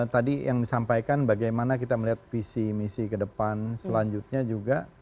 tadi yang disampaikan bagaimana kita melihat visi misi ke depan selanjutnya juga